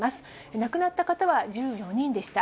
亡くなった方は１４人でした。